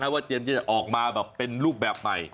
ว่าเตรียมที่จะออกมาแบบเป็นรูปแบบใหม่